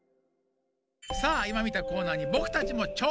さあいまみたコーナーにぼくたちもちょうせん！